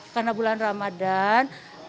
karena bulan ramadan